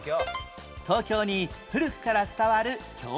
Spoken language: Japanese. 東京に古くから伝わる郷土料理